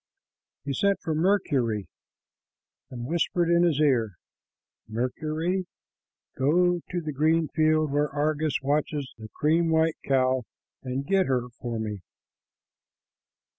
He sent for Mercury and whispered in his ear, "Mercury, go to the green field where Argus watches the cream white cow and get her for me."